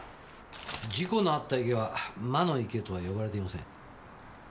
事故のあった池は魔の池とは呼ばれていません。